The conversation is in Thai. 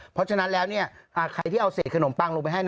เพราะฉะนั้นใครที่เอาเสร็จขนมปังลงไปให้